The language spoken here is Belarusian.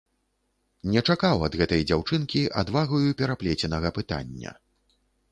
Не чакаў ад гэтай дзяўчынкі адвагаю пераплеценага пытання.